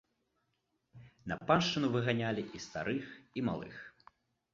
На паншчыну выганялі і старых і малых.